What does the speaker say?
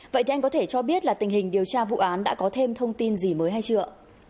vậy thì anh có thể cho biết là tình hình điều tra vụ án đã có thêm thông tin gì mới hay chưa